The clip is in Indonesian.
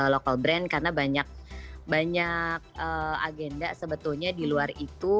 local brand karena banyak agenda sebetulnya di luar itu